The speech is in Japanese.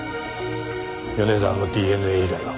米沢のＤＮＡ以外は。